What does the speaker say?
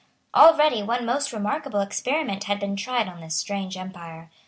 Already one most remarkable experiment had been tried on this strange empire.